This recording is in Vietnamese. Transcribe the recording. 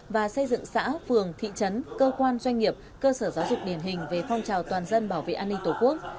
và xây dựng xã phường thị trấn cơ quan doanh nghiệp cơ sở giáo dục điển hình về phong trào toàn dân bảo vệ an ninh tổ quốc